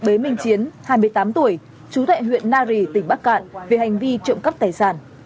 bế minh chiến hai mươi tám tuổi chú tại huyện nari tỉnh bắc cạn về hành vi trộm cắp tài sản